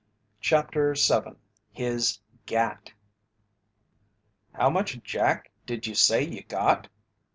CHAPTER VII HIS "GAT" "How much 'Jack' did you say you got?"